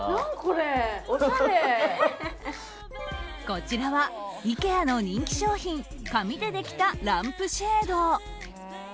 こちらはＩＫＥＡの人気商品紙でできたランプシェード。